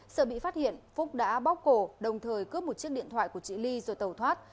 sợ bị phát hiện phúc đã bóc cổ đồng thời cướp một chiếc điện thoại của chị ly rồi tẩu thoát